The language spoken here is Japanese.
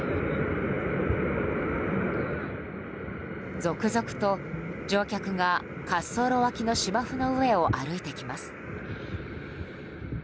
続々と乗客が滑走路脇の芝生の上を歩いてきます。